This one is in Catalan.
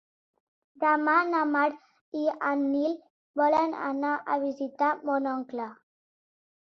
Demà na Mar i en Nil volen anar a visitar mon oncle.